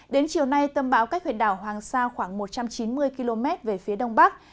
đến chiều nay tâm bão cách huyện đảo hoàng sa khoảng một trăm chín mươi km về phía đông bắc